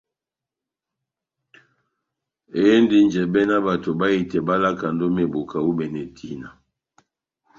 Endi njɛbɛ ná bato bahitɛ bá lakand'ó meboka u'bɛne tina.